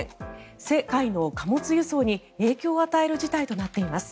世界の貨物輸送に影響を与える事態となっています。